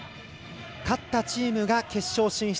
勝ったチームが決勝進出。